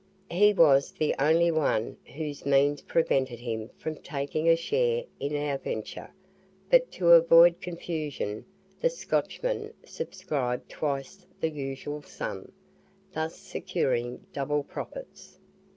He was the only one whose means prevented him from taking a share in our venture; but to avoid confusion, the Scotchman subscribed twice the usual sum, thus securing double Profits.